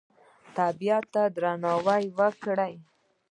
طبیعت ته درناوی وکړئ